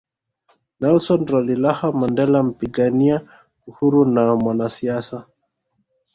Nelson Rolihlahla Mandela mpigania uhuru na mwanasiasa